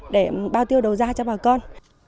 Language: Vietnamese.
để bao tiêu đồ ra cho bà con